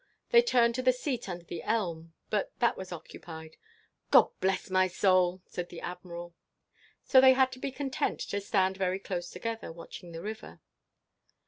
They turned to the seat under the elm—but that was occupied. "Gobblessmysoul!" said the Admiral. So they had to be content to stand very close together, watching the river.